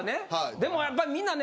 でもやっぱみんなね。